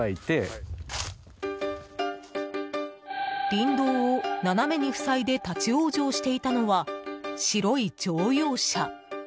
林道を斜めに塞いで立往生していたのは白い乗用車。